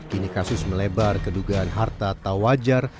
kini kasus melebar kedugaan harta tawajar